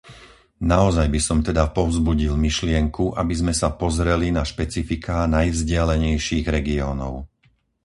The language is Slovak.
Naozaj by som teda povzbudil myšlienku, aby sme sa pozreli na špecifiká najvzdialenejších regiónov.